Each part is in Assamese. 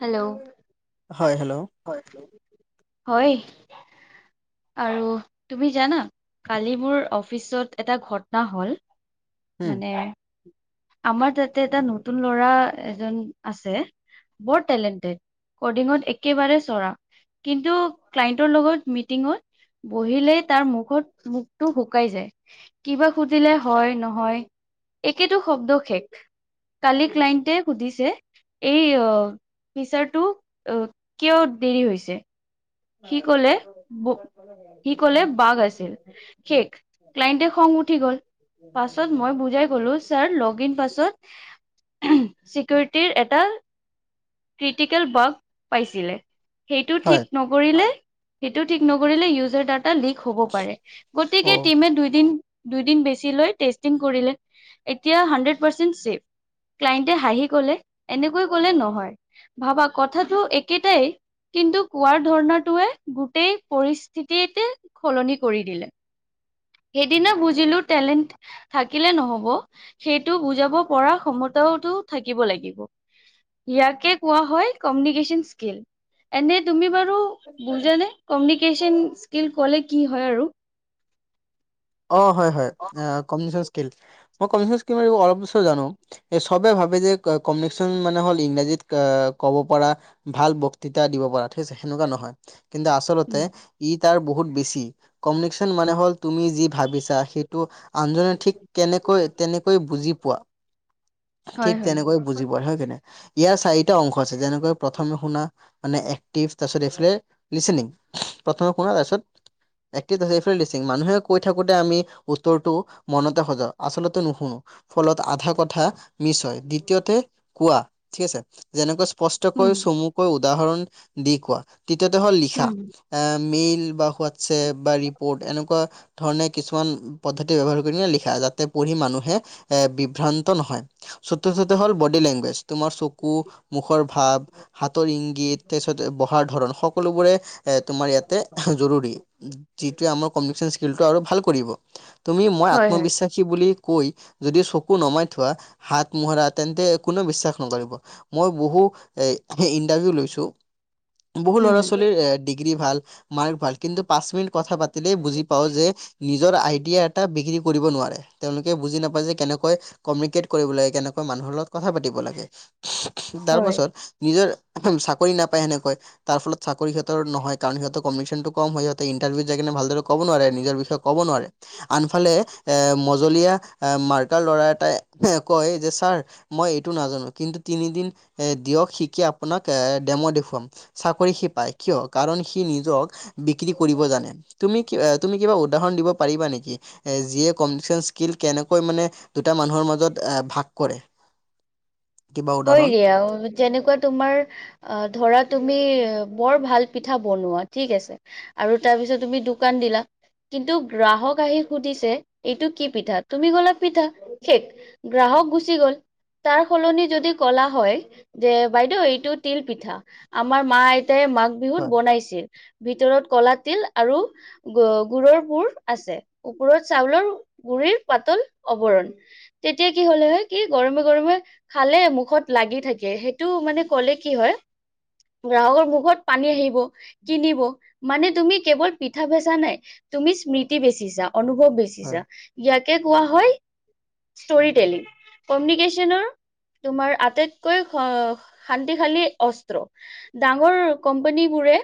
হেল্ল'। হয়, হেল্ল'। হয়, [unintelligible] হয় আৰু তুমি জানা? কালি মোৰ অফিচত এটা ঘটনা হ'ল, উম। মানে আমাৰ তাতে, এটা নতুন ল'ৰা এজন আছে। বৰ টেলেণ্টেড, কডিঙত এক একেবাৰে চৰা, কিন্তু ক্লাইন্টৰ লগত মিটিঙত বহিলেই, তাৰ মুখত মুখটো শুকাই যায়। কিবা সুধিলে হয় নহয়, একেটো শব্দ শেষ। কালি ক্লাইণ্টে সুধিছে, এই অ', ফিচাৰটো অ' কিয় দেৰি হৈছে? সি ক'লে, ব সি ক'লে বাগ আছিল, শেষ। ক্লাইণ্টে খং উঠি গ'ল, পাছত মই বুজাই ক, ছাৰ লগ ইন পাছত, চিকৰিটিৰ এটা ক্ৰিটিকেল বাগ, পাইছিলে। সেইটো হয় ঠিক নকৰিলে, সেইটো ঠিক নকৰিলে ইউজাৰ ডাটা লিক হ'ব পাৰে। অ গতিকে টিমে দুইদিন দুইদিন বেছি লৈ টেষ্টিং কৰিলে, এতিয়া হান্ড্ৰেড পাৰ্চেণ্ট ছেফ। ক্লায়েণ্টে হাঁহি ক'লে, এনেকৈ ক'লে নহয়। ভাবা কথাটো একেটাই, কিন্তু কোৱাৰ ধৰ্ণটোৱে গোটেই পৰিস্থিতিতে সলনি কৰি দিলে। সেইদিনা বুজিলোঁ টেলেণ্ট থাকিলে নহব, সেইটো বুজাব পৰা ক্ষমতাওতো থাকিব লাগিব। ইয়াকে কোৱা হয় কমিউনিকেশন স্কিল। এনে তুমি বাৰু বুজানে? কমিউনিকেশন্স স্কিল ক'লে কি হয় আৰু? অ', হয় হয়, কমিউনিকেশন স্কিল। মই কমিউনিকেশন্সৰো অলপ বিচয় জানোঁ। এ, চবে ভাৱে যে কমিউনিকেশন্স মানে হ'ল ইংৰাজীত আ, ক'ব পৰা ভাল বক্তৃতা দিব পৰা ঠিক আছে সেনেকুৱা নহয়। কিন্তু আচ তলতে উম। ই তাৰ বহুত বেছি। কমিউনিকেশন্স মানে হ'ল তুমি যি ভাবিছা সেইটো আনজনে ঠিক কেনেকৈ, তেনেকৈ বুজি পোৱা। হয় ঠিক হয়। তেনেকৈ বুজিব হে কেনে, ইয়াৰ চাৰিটা অংশ আছে যেনেকা প্ৰথমে শুনা মানে এক্টিভ তাৰপিছত এইফালে লিচেনিং, প্ৰথমে শুনা তাৰপিছত এক্টিভ [unintelligible] মানুহে কৈ থাকোঁতে আমি উত্তৰটো মনতে সজাওঁ, আচলতে নুশুনো, ফলত আধা কথা নিশ্চয়, দ্বিতীয়তে কোৱা ঠিক আছে, যেনেকৈ স্পষ্টকৈ উম, চমুকৈ উদাহৰণ দি কোৱা। তৃতীয়তে হ'ল লিখা উম। এ মেইল বা হোৱাটছএপ বা ৰিপৰ্ট এনেকুৱা ধৰণে কিছুমান পদ্ধতি ব্যৱহাৰ কৰিনে লিখা, যাতে পঢ়ি মানুহে এ বিভ্ৰান্ত নহয়। চতুৰ্থতে হ'ল বডী লেংগুৱেজ। তোমাৰ চকু, মুখৰ ভাৱ, হাতৰ ইংগিত, তাৰপিছত বহাৰ ধৰণ সকলোবোৰে এ, তোমাৰ ইয়াতে জৰুৰী, যিটোৱে আমাৰ কমিউনিকেশ্যন স্কিলটো আৰু ভাল কৰিব। তুমি মই হয় হয়। আত্মবিশ্বাস কি বুলি কৈ যদি চকু নমাই থোৱা, হাত মোহৰা তেন্তে কোনে বিশ্বাস নকৰিব। মই বহু এই-সেই ইণ্টাৰভিউ লৈছো। বহু উম, হুম। ল'ৰা-ছোৱালীৰ এ ডিগ্ৰী ভাল, মাৰ্ক ভাল, কিন্তু পাঁচ মিনিট কথা পাতিলেই বুজি পাওঁ যে নিজৰ আইডিয়া এটা বিক্ৰী কৰিব নোৱাৰে, তেওঁলোকে বুজি নাপায় যে কেনেকৈ কমিউনিকেট কৰিব লাগে, কেনেকৈ মানুহৰ লগত কথা পাতিব লাগে। তাৰ হয়। পাছত নিজৰ, চাকৰি নাপায় সেনেকৈ। তাৰ ফলত চাকৰি সিহঁতৰ নহয়, কাৰণ সিহঁতক কমিচেনটো কম হয়, সিহঁতে ইন্টাৰভিউত যায় কেনে ভালদৰে ক'ব নোৱাৰে, নিজৰ বিষয়ে ক'ব নোৱাৰে। আনফালে এ' মজলীয়া মাৰ্কাৰ ল'ৰা এটাই কয় যে ছাৰ মই এইটো নাজানো, কিন্তু তিনিদিন এ' দিয়ক শিকি আপোনাক এ' ডেমো দেখুৱাম। চাকৰি সি পায় কিয়? কাৰণ সি নিজক বিক্ৰী কৰিব জানে, তুমি তুমি কিবা উদাহৰণ দিব পাৰিবা নেকি? যিয়ে কমিউনিকেশ্যন স্কিল কেনেকৈ মানে দুটা মানুহৰ মাজত ভাগ কৰে? কিবা হয় উদাহৰণ দিয়া [unintelligible] যেনেকুৱা তোমাৰ, ধৰা তুমি বৰ ভাল পিঠা বনোৱা ঠিক আছে। আৰু তাৰপিছত তুমি দোকান দিলা। কিন্তু গ্ৰাহক আহি সুধিছে এইটো কি পিঠা? তুমি গলা পিঠা শেষ। গ্ৰাহক গুচি গ'ল। তাৰ সলনি যদি কলা হয়, যে বাইদেউ এইটো তিল পিঠা আমাৰ মা আইতাই মাক বিহুত হয় বনাইছিল, ভিতৰত কলা তিল আৰু গ গুৰৰ পুৰ আছে, ওপৰত চাউলৰ গুৰি পাতল অৱৰণ। তেতিয়া কি হ'লে হয়, কি গৰমে গৰমে খালে মুখ মুখত লাগি থাকে। সেইটো মানে ক'লে কি হয় গ্ৰাহকৰ মুখত পানী আহিব। কিনিব। মানে তুমি কেৱল পিঠা বেচা নাই তুমি স্মৃতি বেছিছা অনুভৱ বেছি চা, হয় ইয়াকে কোৱা হয় ষ্টোৰি ডাইলিক কম্নিচেচনৰ তোমাৰ আটাইতকৈ শান্তিশালী অস্ত্ৰ। ডাঙৰ কোম্পানী বোৰে,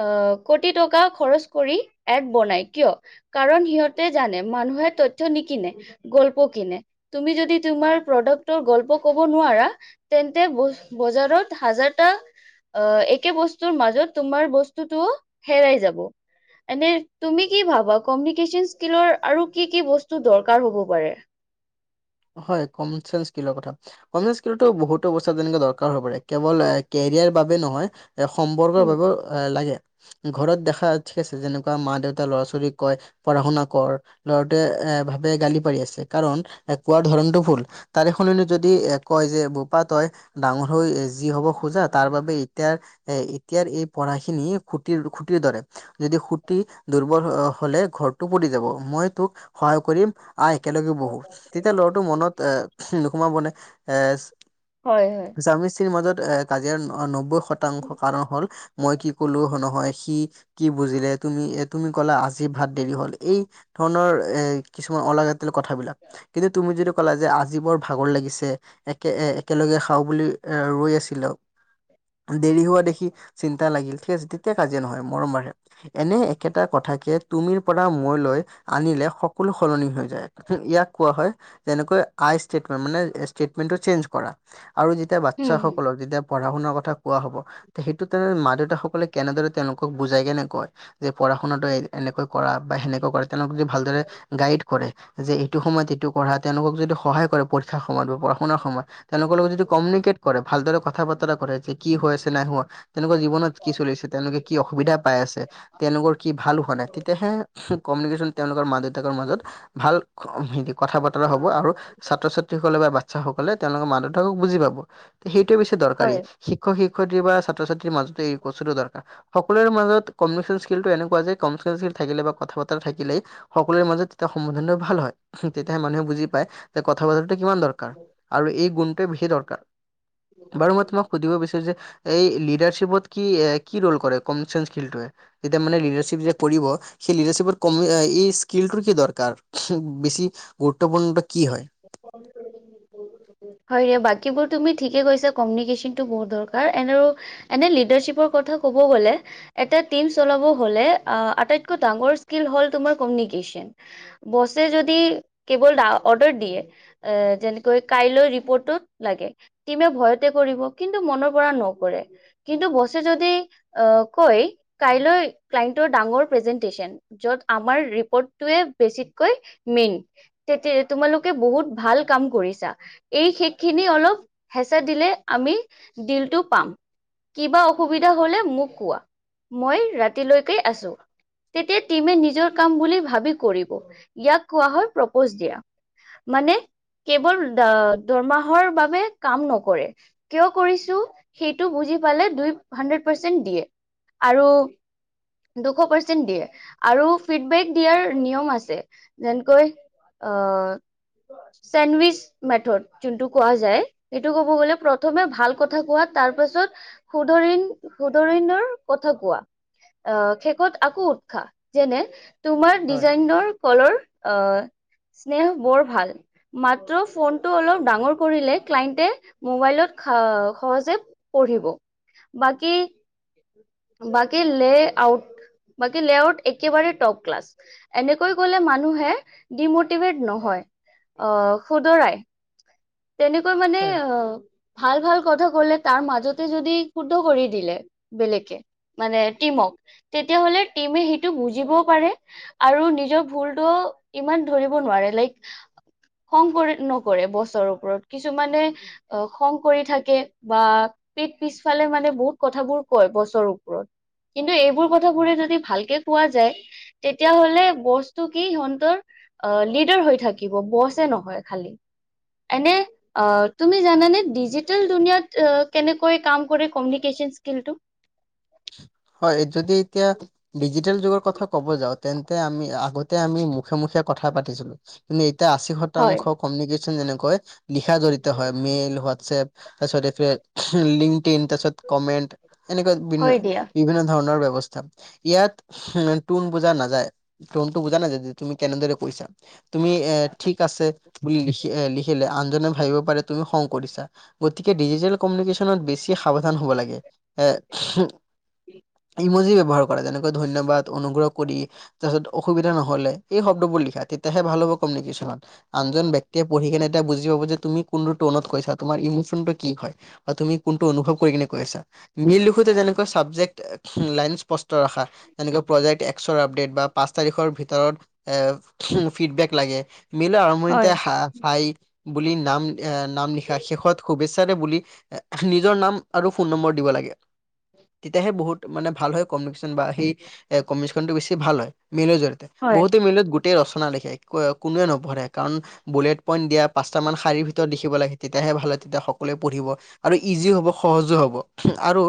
আহ কোটি টকা খৰচ কৰি এড বনাই কিয়? কাৰণ সিহঁতে জানে, মানুহে তথ্য নিকিনে। গল্প কিনে। তুমি তোমাৰ প্ৰডাক্টৰ গল্প ক'ব নোৱাৰা তেন্তে বজাৰত হাজাৰটা অহ একে বস্তুৰ মাজত তোমাৰ বস্তুটো হেৰাই যাব। এনেই তুমি কি ভাবা কমিউনিকেশ্যন স্কিলৰ আৰু কি কি বস্তু দৰকাৰ হ'ব পাৰে? হয় কম চেঞ্চ কিলৰ কথা।। কমিউনিকেশ্যন স্কিলৰ বহুতো বস্ত তেনেকে দৰকাৰ হৈ পৰে। কেৱল কেৰিয়াৰ বাবে নহয়। এ সম্পৰ্কৰ উম বাবেও এ লাগে, ঘৰত দেখা ঠিক আছে যেনেকুৱা মা দেউতা ল'ৰা ছোৱালীক কয় পঢ়া শুনা কৰ ল'ৰাটোৱে এ ভাবে গালি পাৰি আছে, কাৰণ এ কোৱাৰ ধৰণটো ভুল, তাৰে সলনি যদি এ কয় যে বোপা তই ডাঙৰ হৈ যি হ'ব খোজা, তাৰ বাবে এতিয়াৰ এ এতিয়াৰ এই পঢ়াখিনি খুটিৰ খুটিৰ দৰে। যদি সুতি দুৰ্ব্বল হলে ঘৰটো পৰি যাব। মই তোক সহায় কৰিম আহ একেলগে বহো। তেতিয়া লৰাটো মনত এ নোসোমাবনে এছ হয়। স্বামী মিস্ত্ৰীৰ মাজত এ কাজিয়াৰ নব্বৈ শতাংশ কাৰণ হল, মই কি ক'লো নহয়, সি কি বুজিলে তুমি এ তুমি ক'লা আজি ভাত দেৰি হ'ল। এই ধৰণৰ, এ কিছুমান অলাগতীয়াল কথাবিলাক। কিন্তু তুমি যিটো ক'লা যে, এই আজি ভাগৰ লাগিছে। একে একেলগে খাওঁ বুলি এ ৰৈ আছিলো। দেৰি হোৱা দেখি চিন্তা লাগিল সেই তেতিয়া কাজিয় নহয় মৰম বাঢ়ে। এনেই একেটা কথাকে তুমিৰ পৰা মই লৈ আনিলে স কলো সলনি হৈ যায় ইয়াক কোৱা হয় যেনেকৈ আইচ ষ্টেট কৰা মানে চেঞ্জ কৰা আৰু যেতিয়া হুম হুম বাচ্ছাসকলক যেতিয়া পঢ়া শুনাৰ কথা কোৱা হ'ব, তে সেইটো তেনে মা দেউতাসকলে কেনেদৰে তেওঁলোকক বুজাই কেনে কয়। যে পঢ়া শুনাটো এনেকৈ কৰা বা সেনেকৈ কৰা তেওঁলোক যদি ভালদৰে গাইড কৰে, যে সময়ত এইটো পঢ়া তেওঁলোকক যদি সহায় কৰে, পৰীক্ষাৰ সময়ত বা পঢা শুনাৰ সময়ত, তেওঁলোকৰ লগত যদি কমিউনিকেট কৰে। ভালদৰে কথা বতৰা কৰে যে কি হৈ আছে নাই হোৱা। তেওঁলোকৰ জীৱনত কি চলিছে, তেওঁলোকে কি অসুবিধা পাই আছে, তেওঁলোকৰ কি ভাল হোৱা নাই, তেতিয়াহে কমিউনিকেশ্যন তেওঁলোকৰ মা দেউতাকৰ মাজত, ভাল কথা বতৰা হ'ব, আৰু ছাত্ৰ ছাত্ৰীসকলে বা সকলে তেওঁলোকৰ মা দেউতাকক বুজ তকপাব। উতি সেইটোয়ে বেছি দৰকাৰী, হয়। শিক্ষক শিক্ষয়িত্ৰী বা। ছাত্ৰ ছাত্ৰীৰ মাজতে এই বস্তু টো দৰকাৰ। সকলোৰে মাজত কিউনেশ্যন স্কিলটো এনেকুৱা যে, কমউিকেশন স্কিল থাকিলে বা কথা বতৰা থাকিলেই সকলোৰে মাজত তেতিয়া সম্বোধানটো ভাল হয়, তেতিয়াহে মানুহে বুজি যে, কথা বতৰাটো কিমান দৰকাৰ। আৰু এই গুণটোৱে বিশেষ দৰকাৰ, বাৰু মই তোমাক সুধিব বিচাৰো যে এই লিডাৰশিপত কি, কি ৰোল কৰে কমিউনিকেশ্যন স্কিলটোৱে। যেতিয়া মানে লিডাৰশ্বিপ যে কৰিব, সেই লিডাৰশিপত, এই স্কিলটোৰ কি দৰকাৰ। বেছি গুৰুত্বপূৰ্ণ কি হয়? [unintelligible] হয় ৰে, বাকীবোৰ তুমি ঠিকে কৈছা, কমিউনিকেশ্যনটো বহুত দৰকাৰ, এন্ড আৰু এনেই লিডাৰশ্বিপৰ কথা ক'ব গ'লে এটা টিম চলাব হলে, আটাইতকৈ ডাঙৰ স্কিলটো হ'ল কমিউনিকেশ্যন। বছে যদি কেৱল অৰদাৰ দিয়ে, এ, যেনেকৈ কাইলৈ ৰিপৰ্টটো লাগে টিমে ভয়তে কৰিব, কিন্তু মনৰ পৰা নকৰে। কিন্তু বছে যদি কয়, কাইলৈ ক্লাইণ্টৰ ডাঙৰ প্ৰেজেন্টচন। য'ত আমাৰ ৰিপৰ্টটোযৱে বেছিকৈ মেইন, তেতিয়া তোমালোকে বহুত ভাল কাম কৰিছা। এই শেষ খিনি অলপ হেঁচা দিলে, আমি দিলটো পাম। কিবা অসুবিধা হলে মোক কোৱা, মই ৰাতিলৈকে আছো। তেতিয়া টিমে নিজৰ কাম বুলি ভাবি কৰিব, ইয়াক কোৱা হয় প্ৰপ'জ দিয়া। মানে কেৱল, দৰমাহৰ বাবে কাম নকৰে। কিয় কৰিছো, সেইটো বুজি পালে, দুই, হান্ড্ৰেড পাৰ্চেন্ট দিয়ে। আৰু দুশ পাৰ্চেন্ট দিয়ে আৰু ফিডবেক দিয়াৰ নিয়ম আছে, যেনেকৈ অ' চেণ্ডবিচ মেথড যোনটো কোৱা যায়, সেইটো ক'ব গ'লে প্ৰথমে ভাল কথা কোৱা, তাৰ পাছত সুধৰিণ, -সুধৰিণৰ কথা কোৱা। আহ শেষত আকৌ উৎসাহ, যেনে তোমাৰ হয় ডিজাইনৰ কলৰ, আহ স্নেহ বৰ ভাল। মাত্ৰ ফোনটো অলপ ডাঙৰ কৰিলে ক্লাইণ্টে, মোবাইলত অহসহজে পঢ়িব, বা কী -বাকী লে আউট বাকী লেআউট একেবাৰে টপ ক্লাছ, এনেকৈ ক'লে মানুহে ডিমটিভেট নহয়। হয়, অ', শুধৰাই, তেনেকৈ মানে হয়। অ', ভাল ভাল কথা ক'লে, তাৰ মাজতে যদি শুদ্ধ কৰি দিলে, বেলেগে মানে টিমক, তেতিয়াহলে টিমে সেইটো বুজিবও পাৰে আৰু নিজৰ ভুলটো ইমান ধৰিব নোৱাৰে, লাইক খং কৰি, নকৰে বছৰ ওপৰত, কিছুমানে অ', খং কৰি থাকে। বা সেই পিছফালে মানে বহুত কথাবোৰ কয় বছৰ ওপৰত, কিন্তু এইবোৰ কথাবোৰে যদি ভালকে কোৱা যায় তেতিয়াহলে বস্তুকি সিহঁতৰ অ লিডাৰ হৈ থাকে। [unintelligible] কিব বচে নহয় খালী এনে- অ তুমি জানানে ডিজিটেল দুুনিয়াত এ কেনেকৈ কাম কৰে কমিউনিকেশ্যনচ স্কিলটো হয় যদি এতিয়া ডিজিটেল যুগৰ কথা কব যাওঁ তেন্তে আমি আগতে আমি মুখে মুখে কথা পাতিছিলো। কিন্তু এতিয়া আশী হয়, শতাংশ কমিউনিকেশ্যন যেনেকৈ লিখা গঢ়িত হয়। মেইল হোৱাতচেফ তাৰপিছতে ফে লিংক ইন তাৰপিছত কমেণ্ট এনেকুৱা বিভিন্ন হয় [unintelligible] দিয়া, বিভিন্ন ধৰণৰ ব্যৱস্থা, ইয়াত উম টোন বুজা নাযায়। টনটো বুজা নাযায় যে তুমি কেনেদৰে কৈছা তুমি এ ঠিক আছে বুলি লিখি লিখিলা। আনজনে ভাবিব পাৰে তুমি খং কৰিছা গতিকে ডিজিটেল কমিউনিকেচনত বেছি সাৱধান হ'ব লাগে। এ [unintelligible] [unintelligible] ইমজী ব্যৱহাৰ কৰা যায় যেনেকৈ ধন্যবাদ, অনুগ্ৰহ কৰি তাৰপাছত অসুবিধা নহ'লে এই শব্দবোৰ লিখা তেতিয়াহে ভাল হ'ব কমিউনিকেশ্যনত। আনজন ব্যক্তিয়ে পঢ়ি কিনে এতিয়া বুজি পাব যে তুমি কোনটো টনত কৈছা, তোমাৰ ইমোচনটো কি হয়। তুমি কোনটো অনুভৱ কৰি কিনে কৈ আছা। মেইল লিখোতে যেনে কৈ ছাবজেক্ট লাইন স্পষ্ট ৰাখা। তেনেকে প্ৰজেক্ট এক্সৰ আপডেট বা পাঁচ তাৰিখৰ ভিতৰত এ উম ফিডবেক লাগে। মেইলৰ হয়, আৰম্ভণিতে হায় হাই বুলি নাম আহ নাম লিখা, শেষত শুভেচ্ছাৰে বুলি নিজৰ নাম আৰু ফোন নম্বৰ দিব লাগে। তেতিয়াহে বহুত মানে ভাল হয় কমিউনিকেশ্যন বা সেই কমিউনিকেশ্যনটো বেছি ভাল হয় মেইলৰ জৰিয়তে। হয়, বহুতে মেইলত গোটেই ৰচনা লিখে কোনোৱে নপঢ়ে কাৰণ বুলেট পইন্ট দিয়া পাঁচটামান শাৰীৰ ভিতৰত লিখিব লাগে। তেতিয়াহে ভাল হয়, তেতিয়া সকলোৱে পঢ়িব আৰু ইজি হ'ব, সহজো হ'ব আৰু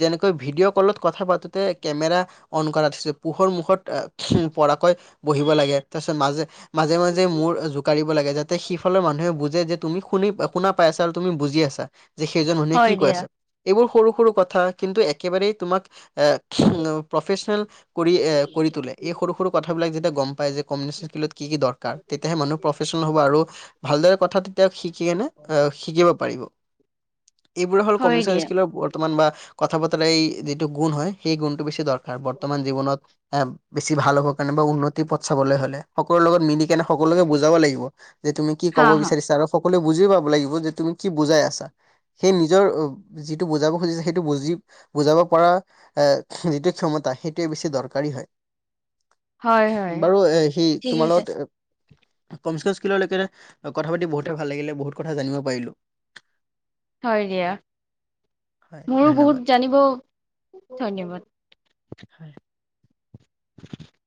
যেনেকৈ ভিডিঅ' কলত কথা পাতোতে কেমেৰা অন কৰা থৈছে পোহৰ মুখত এ [unintelligible] পৰাকৈ বহিব লাগে তাৰপিছত মাজে মাজে-মাজে মূৰ জোকাৰিব লাগে, যাতে সিফালৰ মানুহে বুজে যে তুমি শুনি শুনা পাই আছা আৰু তুমি বুজি আছা যে সেইজন মানুহে কি হয় কৈ দিয়া, আছে। এইবোৰ সৰু-সৰু কথা কিন্তু একেবাৰেই তোমাক এ প্ৰফেশ্যনেল কৰি এ কৰি তোলে। এই সৰু-সৰু কথাবিলাক যেতিয়া গম পায় যে কমনিকেশন চাৰ্কেলত কি কি দৰকাৰ তেতিয়াহে মানুহ প্ৰফেচনেল হ'ব আৰু ভালদৰে কথা তেতিয়া শিকি কিনে এ শিকিব পাৰিব। এইবোৰে হ'ল হয় কমনিকেচন দিয়া, স্কিলৰ বৰ্তমান বা কথা বতৰা এই যিটো গুণ হয় সেই গুণটো বেছি দৰকাৰ বৰ্তমান জীৱনত এ বেছি ভাল হ'ব কাৰণে বা উন্নতি পথ চাবলৈ হ'লে সকলোৰে লগত মিলি কেনে সকলোকে বুজাব লাগিব। যে তুমি কি হা, ক'ব হা, বিচাৰিছা ৰ সকলোৱে বুজি পাব লাগিব যে তুমি কি বুজাই আছা। সেই নিজৰ যিটো বুজাব খুজিছে সেই টো বুজি বুজাব পৰা এ যিটো ক্ষমতা সেইটোৱেই বেছি দৰকাৰী হয়। [unintelligible] হয়, বাৰু এ সি ঠিক তোমাৰ আছে, লগত কমনিকেশন স্কিললৈকে কথা পাতি বহুতে ভাল লাগিলে, বহুত কথা জানিব পাৰিলো। হয় দিয়া। হয় মোৰো ধন্যবাদ বহুত জানিব, ধন্যবাদ। হয়। [unintelligible]